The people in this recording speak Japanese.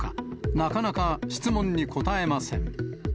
なかなか質問に答えません。